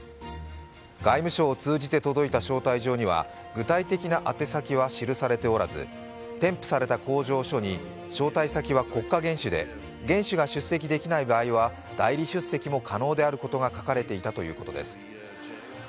外務省を通じて届いた招待状には具体的な宛て先は記されておらず、添付された口上書に、招待先は国家元首で元首が出席できない場合は代理出席も可能であることが書かれていたということです。